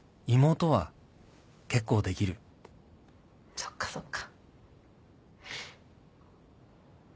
そっかそっか。